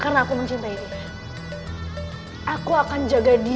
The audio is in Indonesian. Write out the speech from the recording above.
kenapa rama bisa mencintai siluman ular